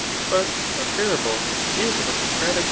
But a parable is a Socratic